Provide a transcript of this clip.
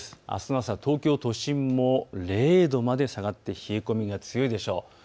あす朝、東京都心も０度まで下がって冷え込みが強いでしょう。